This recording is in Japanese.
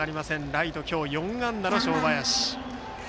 ライトは今日４安打の正林。